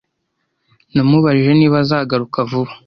Namubajije niba azagaruka vuba.